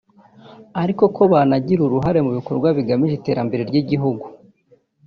ariko ko banagira n’uruhare mu bikorwa bigamije iterambere ry’igihugu